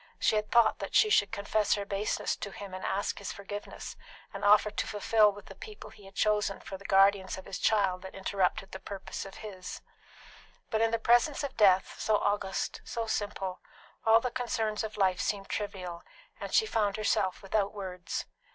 She had thought that she should confess her baseness to him, and ask his forgiveness, and offer to fulfil with the people he had chosen for the guardians of his child that interrupted purpose of his. But in the presence of death, so august, so simple, all the concerns of life seemed trivial, and she found herself without words.